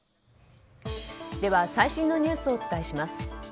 では、最新のニュースをお伝えします。